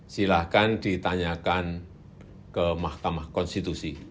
silahkan ditanyakan ke mahkamah konstitusi